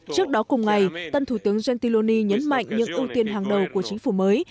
trước đó cùng ngày tân thủ tướng jentiloni nhấn mạnh những ưu tiên hàng đầu của chính phủ mới